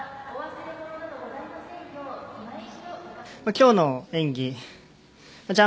今日の演技